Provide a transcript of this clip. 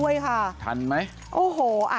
เจ้าแม่น้ำเจ้าแม่น้ำ